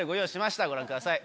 ご覧ください。